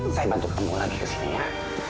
saya bantu kamu lagi kesini ya